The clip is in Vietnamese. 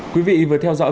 quý vị vừa theo dõi